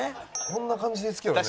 こんな感じですけどね。